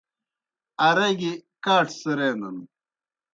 آرا گیْ کاٹھہ څِرینَن۔